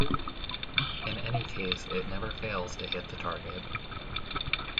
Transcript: In any case, it never fails to hit the target.